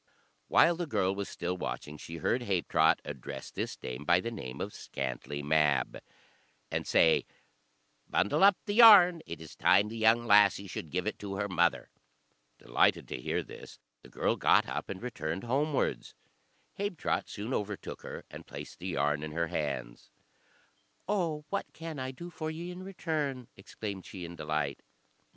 While the girl was still watching, she heard Habetrot address this dame by the name of Scantlie Mab, and say, "Bundle up the yarn, it is time the young lassie should give it to her mother." Delighted to hear this, the girl got up and returned homewards. Habetrot soon overtook her, and placed the yarn in her hands. "Oh, what can I do for ye in return?" exclaimed she, in delight.